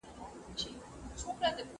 هغو کسانو چې سابه خوړلي بدن یې ښه بوی لري.